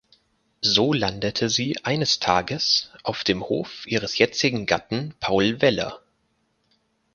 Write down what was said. So landete sie eines Tages auf dem Hof ihres jetzigen Gatten Paul Weller.